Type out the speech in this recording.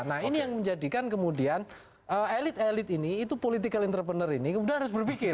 nah ini yang menjadikan kemudian elit elit ini itu political entrepreneur ini kemudian harus berpikir